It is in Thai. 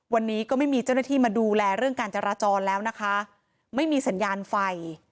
วันนี้ก็ไม่มีเจ้าหน้าที่มาดูแลเรื่องการจราจรแล้วนะคะไม่มีสัญญาณไฟ